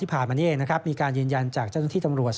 ผ่านมานี่เองนะครับมีการยืนยันจากเจ้าหน้าที่ตำรวจ